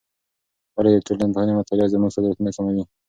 ولې د ټولنپوهنې مطالعه زموږ قضاوتونه کموي؟